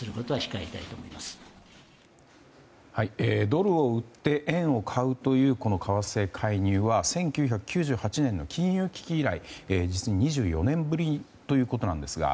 ドルを売って円を買うという為替介入は１９９８年の金融危機以来実に２４年ぶりということなんですが。